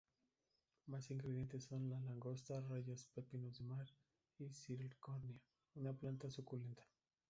Más ingredientes son la langosta, rayas, pepinos del mar, y salicornia, una planta suculenta.